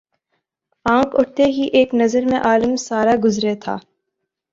آنکھ اٹھتے ہی ایک نظر میں عالم سارا گزرے تھا